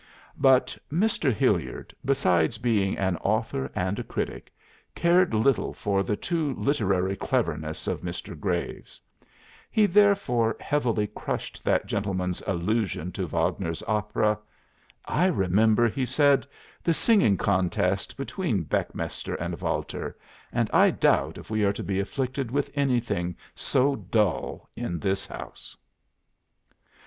But Mr. Hillard, besides being an author and a critic, cared little for the too literary cleverness of Mr. Graves. He therefore heavily crushed that gentleman's allusion to Wagner's opera. "I remember," he said, "the singing contest between Beckmesser and Walter, and I doubt if we are to be afflicted with anything so dull in this house."